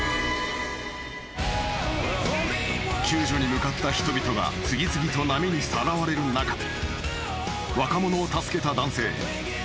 ［救助に向かった人々が次々と波にさらわれる中で若者を助けた男性ロブさん］